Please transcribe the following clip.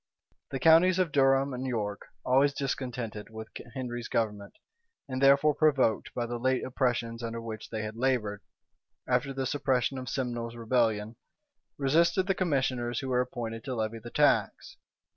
The counties of Durham and York, always discontented with Henry's government, and further provoked by the late oppressions under which they had labored, after the suppression of Simnel's rebellion, resisted the commissioners who were appointed to levy the tax.